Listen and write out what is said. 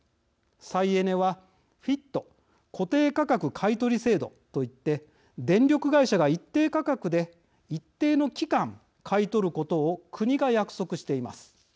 再エネは、ＦＩＴ＝固定価格買取制度といって電力会社が一定価格で一定の期間、買い取ることを国が約束しています。